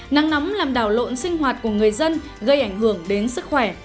nắng nóng làm đảo lộn sinh hoạt của người dân gây ảnh hưởng đến sức khỏe